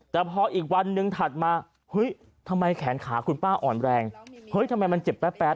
แต่พออีกวันหนึ่งถัดมาเฮ้ยทำไมแขนขาคุณป้าอ่อนแรงเฮ้ยทำไมมันเจ็บแป๊